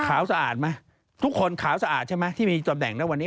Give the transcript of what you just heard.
ขาวสะอาดมั้ยทุกคนขาวสะอาดใช่มั้ยที่มีตำแหน่งนะวันนี้